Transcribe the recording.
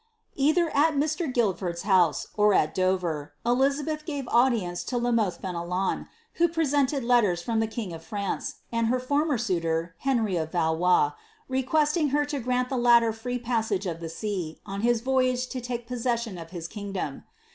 Either at Mr. Guildford's house, or at Dover, Elizabeth gave audience to La Mothe Fenelon, who presented letters from the king of France, tad her former suitor, Henry of Valois, requesting her to grant the latter free passage of the sea, on his voyage to take possession of his king dom.